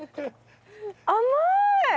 甘い！